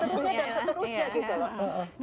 dan seterusnya gitu